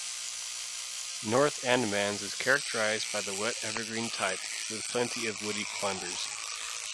North Andamans is characterised by the wet evergreen type, with plenty of woody climbers.